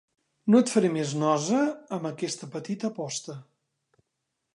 No et faré més nosa amb aquesta petita aposta.